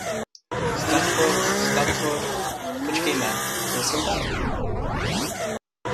Stratford, Stratford, počkejme, byl jsem tam?